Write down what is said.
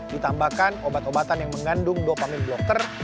ditambahkan obat obatan yang mengandung dopamine blocker